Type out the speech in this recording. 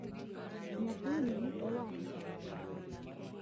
Nyathini e wang'a.